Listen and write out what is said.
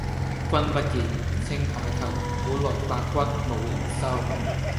君不見，青海頭，古來白骨無人收。